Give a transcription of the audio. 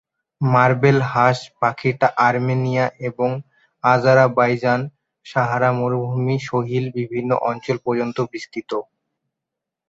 Marble হাঁস পাখিটি Armenia এবং আজারবাইজান, সাহারা মরুভূমি, সহিল বিভিন্ন অঞ্চল পর্যন্ত বিস্তৃত।